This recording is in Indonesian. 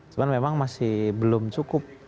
cuma memang masih belum cukup